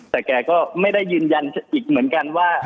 แต่แกก็ไม่ได้ยืนยันอีกเหมือนกันว่า